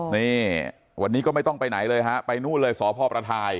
นี่วันนี้ก็ไม่ต้องไปไหนเลยฮะไปนู่นเลยสพประทาย